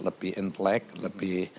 lebih entlek lebih